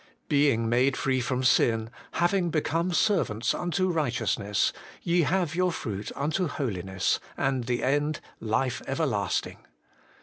Being made free from sin, having become servants unto righteousness, ye have your fruit unto holiness, and the end life everlasting.